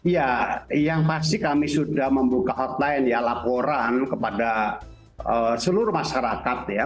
ya yang pasti kami sudah membuka hotline ya laporan kepada seluruh masyarakat ya